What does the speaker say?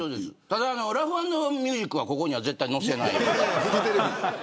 ただ、ラフ＆ミュージックはここには絶対載せないので。